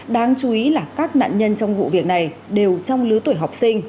đáng chú ý là các nạn nhân trong vụ việc này đều trong lứa tuổi học sinh